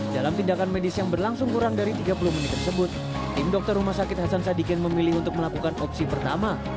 dalam tindakan medis yang berlangsung kurang dari tiga puluh menit tersebut tim dokter rumah sakit hasan sadikin memilih untuk melakukan opsi pertama